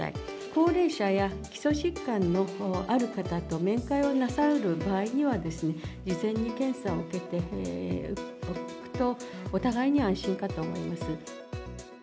高齢者や基礎疾患のある方と面会をなさる場合には、事前に検査を受けておくと、お互いに安心かと思います。